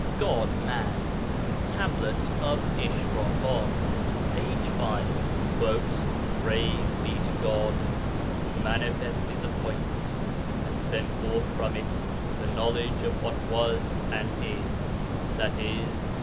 GOD MAN Tablet of Ishrakat (p. 5). Praise be to God who manifested the Point and sent forth from it the knowledge of what was and is (i.e.